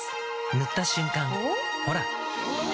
塗った瞬間おっ？